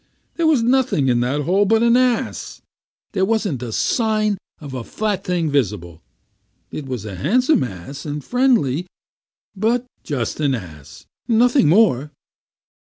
There was nothing in that hole but an ass. There wasn't a sign of a flat thing visible. It was a handsome ass, and friendly, but just an ass, and nothing more."